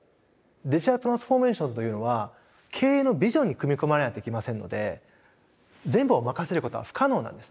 デジタルトランスフォーメーションというのは経営のビジョンに組み込まれないといけませんので全部を任せることは不可能なんですね。